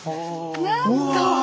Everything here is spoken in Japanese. なんと！